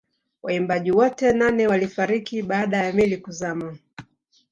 Waimbaji wote nane walifariki baada ya meli kuzama